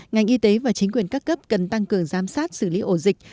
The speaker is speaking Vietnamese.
ngành y tế và chính quyền các cấp cần tăng cường giám sát xử lý ổ dịch